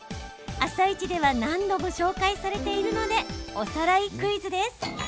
「あさイチ」では何度も紹介されているのでおさらいクイズです。